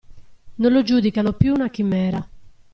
Non lo giudicano più una chimera.